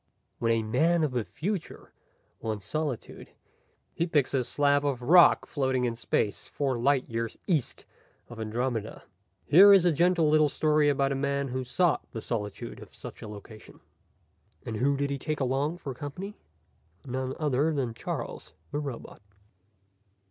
When a man of the future wants solitude he picks a slab of rock floating in space four light years east of Andromeda. Here is a gentle little story about a man who sought the solitude of such a location. And who did he take along for company? None other than Charles the Robot.